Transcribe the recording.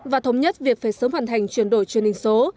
và thống nhất việc phải sớm hoàn thành chuyển đổi truyền hình số